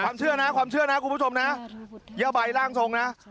ความเชื่อนะความเชื่อนะคุณผู้ชมนะย่าใบร่างทรงนะ